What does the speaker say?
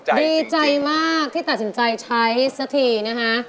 ดีใจมากที่ตัดสินใจใช้สักทีนะคะ